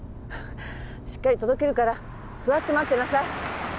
しっかり届けるから座って待ってなさい